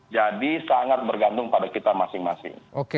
jadi sangat bergantung pada kita masing masing